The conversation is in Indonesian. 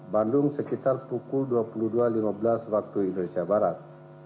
bandung sekitar pukul dua puluh dua lima belas waktu indonesia barat